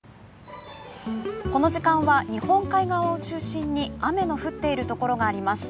この時間は日本海側を中心に雨の降っているところがあります。